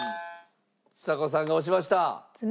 ちさ子さんが押しました。